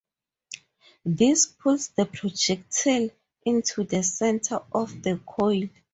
This pulls the projectile into the centre of the coil.